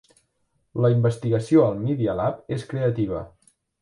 La investigació al Media Lab és creativa.